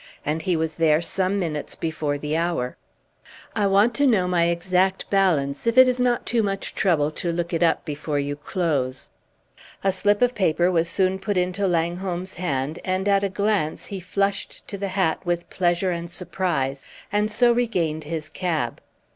And he was there some minutes before the hour. "I want to know my exact balance, if it is not too much trouble to look it up before you close." A slip of paper was soon put into Langholm's hand, and at a glance he flushed to the hat with pleasure and surprise, and so regained his cab.